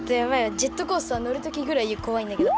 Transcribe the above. ジェットコースターのるときぐらいこわいんだけど。